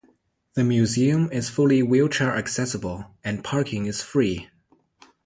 The museum is fully wheelchair accessible, and parking is free.